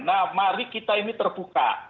nah mari kita ini terbuka